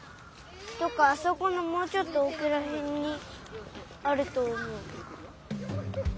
あそこのもうちょっとおくらへんにあるとおもう。